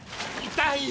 痛い！